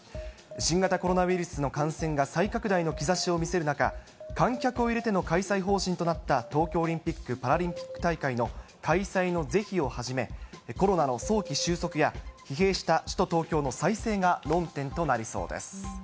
新型コロナウイルスの感染が再拡大の兆しを見せる中、観客を入れての開催方針となった東京オリンピック・パラリンピック大会の開催の是非をはじめ、コロナの早期収束や、疲弊した首都東京の再生が論点となりそうです。